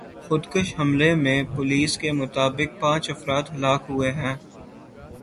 خودکش حملے میں پولیس کے مطابق پانچ افراد ہلاک ہوئے ہیں